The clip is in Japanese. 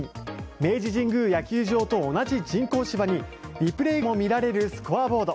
明治神宮野球場と同じ人工芝にリプレーも見られるスコアボード。